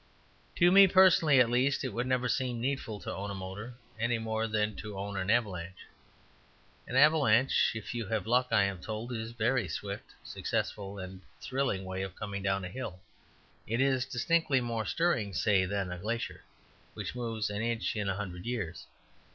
To me personally, at least, it would never seem needful to own a motor, any more than to own an avalanche. An avalanche, if you have luck, I am told, is a very swift, successful, and thrilling way of coming down a hill. It is distinctly more stirring, say, than a glacier, which moves an inch in a hundred years.